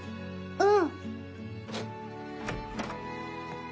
うん。